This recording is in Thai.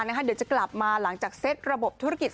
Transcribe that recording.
เดี๋ยวจะกลับมาหลังจากเซ็ตระบบธุรกิจ